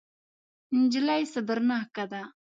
نجلۍ صبرناکه ده.